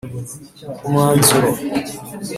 Umwanzuro